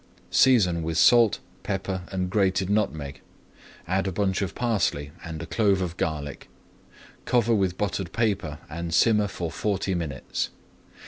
Season with salt, pepper, and grated nutmeg, add a bunch of parsley, and a clove of garlic, cover with buttered paper, and simmer for forty minutes.